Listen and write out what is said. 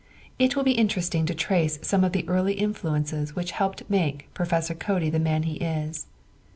It will be interesting to trace some of the early influences which helped to make Prof. Cody the man he is.